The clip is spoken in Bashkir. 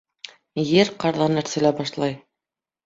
— Ер ҡарҙан әрселә башлай...